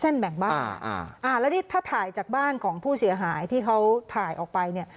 แล้วนี่ถ้าถ่ายจากบ้านของผู้เสียหายที่เขาถ่ายออกไป